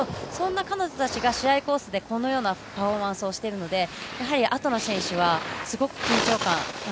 そんな彼女たちが試合コースでこんなパフォーマンスをしてるのであとの選手は、すごく緊張感。